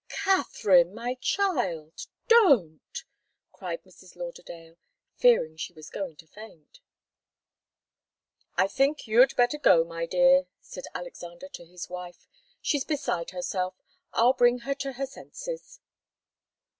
"Katharine my child! Don't!" cried Mrs. Lauderdale, fearing she was going to faint. "I think you'd better go, my dear," said Alexander to his wife. "She's beside herself. I'll bring her to her senses."